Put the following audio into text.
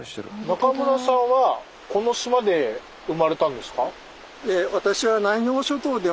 中村さんはこの島で生まれたんですか？